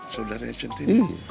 sudah deh centini